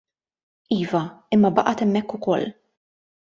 Iva, imma baqgħet hemmhekk ukoll.